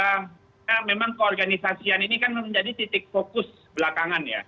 karena memang keorganisasian ini kan menjadi titik fokus belakangan ya